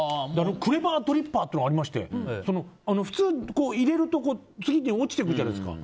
クレバードリッパーというのがありまして普通、いれると次々落ちてくるじゃないですか。